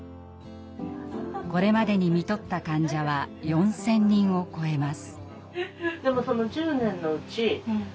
これまでに看取った患者は４，０００人を超えます。